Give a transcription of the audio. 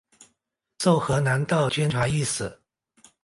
授河南道监察御史。